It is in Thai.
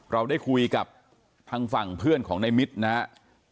เราได้คุยกับทางฝั่งเพื่อนของในมิตรนะครับ